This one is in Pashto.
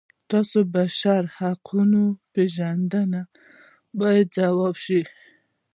تاسو بشري حقونه پیژنئ باید ځواب شي.